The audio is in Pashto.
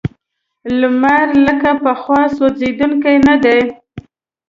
لمر لکه پخوا سوځونکی نه دی.